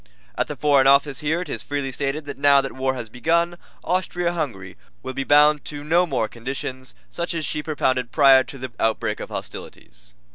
At the Foreign Office here it is freely stated that now that war has begun Austria Hungary will be bound to no more conditions such as she propounded prior to the outbreak of hostilities.